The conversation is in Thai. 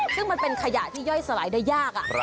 ซึ่งมันเป็นขยะที่ย่อยสลายได้ยาก